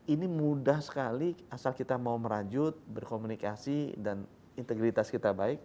ini mudah sekali asal kita mau merajut berkomunikasi dan integritas kita baik